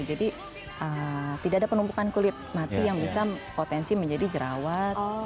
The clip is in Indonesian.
jadi tidak ada penumpukan kulit mati yang bisa potensi menjadi jerawat